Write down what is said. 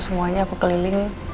semuanya aku keliling